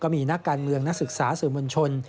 มีนักการเมืองนักศึกษาสื่อมวลชน